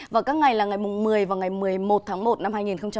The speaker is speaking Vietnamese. vào các ngày là ngày một mươi và ngày một mươi một tháng một năm hai nghìn hai mươi